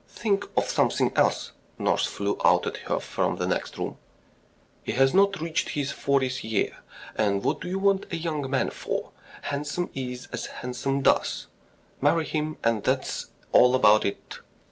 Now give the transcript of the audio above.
"Think of something else," nurse flew out at her from the next room. "He has not reached his fortieth year; and what do you want a young man for? Handsome is as handsome does. ... Marry him and that's all about it!"